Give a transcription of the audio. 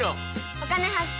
「お金発見」。